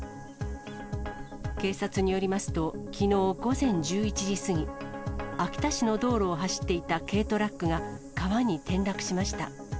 警察によりますと、きのう午前１１時過ぎ、秋田市の道路を走っていた軽トラックが、川に転落しました。